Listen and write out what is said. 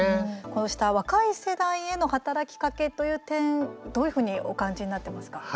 こうした若い世代への働きかけという点どういうふうにお感じになっていますか？